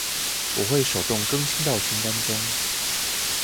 我會手動更新到清單中